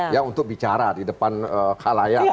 ya untuk bicara di depan halayak